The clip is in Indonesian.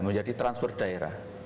menjadi transfer daerah